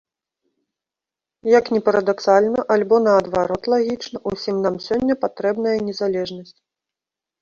Як ні парадаксальна альбо, наадварот, лагічна, усім нам сёння патрэбная незалежнасць.